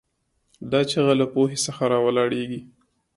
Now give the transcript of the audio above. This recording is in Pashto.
دا چیغه له پوهې څخه راولاړېږي.